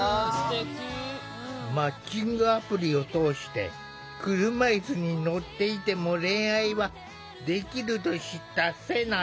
マッチングアプリを通して車いすに乗っていても恋愛はできると知ったセナさん。